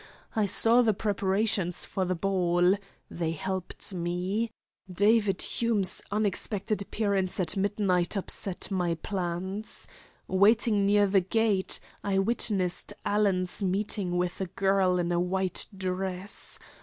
I saw the preparations for the ball. They helped me. David Hume's unexpected appearance at midnight upset my plans. Waiting near the gate, I witnessed Alan's meeting with a girl in a white dress.